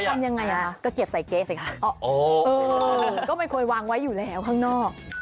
ทำยังไงอ่ะก็เก็บใส่เก๊สิคะก็ไม่ควรวางไว้อยู่แล้วข้างนอก